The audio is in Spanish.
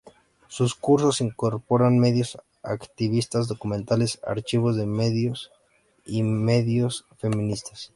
Sus cursos incorporan medios activistas, documentales, archivos de medios y medios feministas.